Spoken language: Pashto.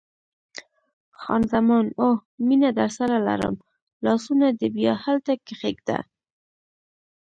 خان زمان: اوه، مینه درسره لرم، لاسونه دې بیا هلته کښېږده.